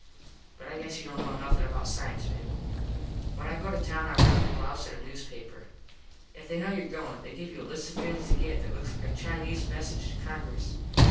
But I guess you dont know nothin about cience, Mable. When I go to town I wrap my blouze in a newspaper. If they know your goin they give you a list of things to get that looks like a Chinese Message to Congress.